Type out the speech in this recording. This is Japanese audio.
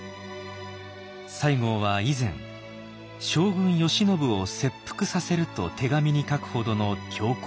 西郷は以前「将軍慶喜を切腹させる」と手紙に書くほどの強硬派。